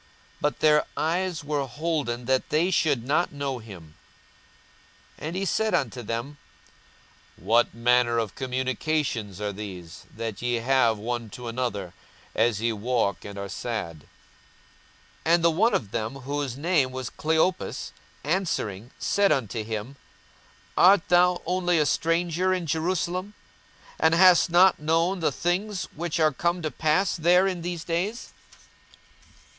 42:024:016 But their eyes were holden that they should not know him. 42:024:017 And he said unto them, What manner of communications are these that ye have one to another, as ye walk, and are sad? 42:024:018 And the one of them, whose name was Cleopas, answering said unto him, Art thou only a stranger in Jerusalem, and hast not known the things which are come to pass there in these days?